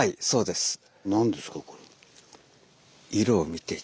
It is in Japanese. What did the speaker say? そうです。